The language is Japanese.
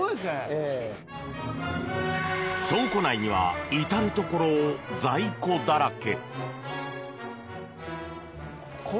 倉庫内には至るところ、在庫だらけ。